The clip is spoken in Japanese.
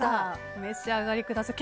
お召し上がりください。